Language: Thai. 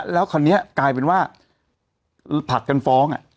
แล้วคราวนี้กลายเป็นว่าผลัดกันฟ้อง